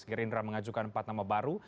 gerindra mengajukan empat nama baru